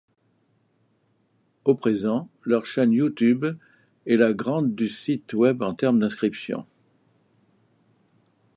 Au présent, leur chaîne Youtube est la grande du site web en termes d'inscriptions.